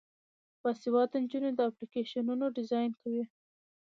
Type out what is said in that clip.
باسواده نجونې اپلیکیشنونه ډیزاین کوي.